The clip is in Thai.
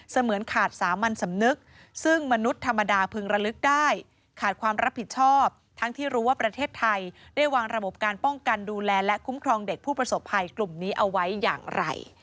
เหมือนขาดสามัญสำนึกซึ่งมนุษย์ธรรมดาพึงระลึกได้ขาดความรับผิดชอบทั้งที่รู้ว่าประเทศไทยได้วางระบบการป้องกันดูแลและคุ้มครองเด็กผู้ประสบภัยกลุ่มนี้เอาไว้อย่างไร